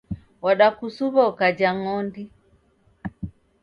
Wadakusuw'a ukajha ng'ondi.